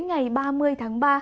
ngày ba mươi tháng ba